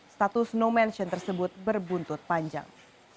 status no mention tersebut berbuntut panjang